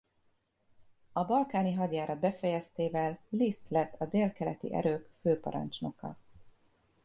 A balkáni hadjárat befejeztével List lett a délkeleti erők főparancsnoka.